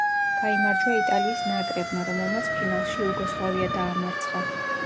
გაიმარჯვა იტალიის ნაკრებმა, რომელმაც ფინალში იუგოსლავია დაამარცხა.